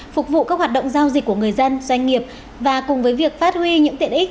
phục vụ các hoạt động giao dịch của người dân doanh nghiệp và cùng với việc phát huy những tiện ích